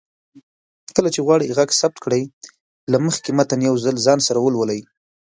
کله چې غواړئ غږ ثبت کړئ، له مخکې متن يو ځل ځان سره ولولئ